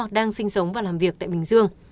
đang sinh sống và làm việc tại bình dương